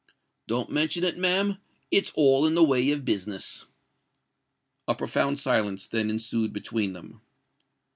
"Don't mention it, ma'am: it's all in the way of business." A profound silence then ensued between them.